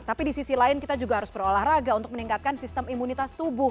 tapi di sisi lain kita juga harus berolahraga untuk meningkatkan sistem imunitas tubuh